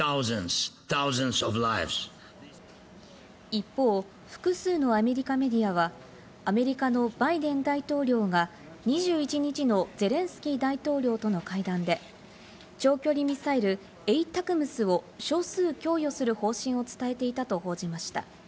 一方、複数のアメリカメディアは、アメリカのバイデン大統領が２１日のゼレンスキー大統領との会談で長距離ミサイル・ＡＴＡＣＭＳを少数供与する方針を伝えていたと報じました。